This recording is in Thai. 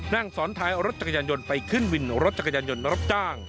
นั่งซ้อนท้ายรถจักรยานยนต์ไปขึ้นวินรถจักรยานยนต์รับจ้าง